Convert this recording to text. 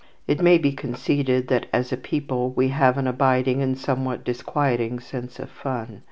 It may be conceded that, as a people, we have an abiding and somewhat disquieting sense of fun.